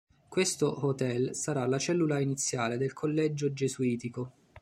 Questo "hôtel" sarà la cellula iniziale del collegio gesuitico.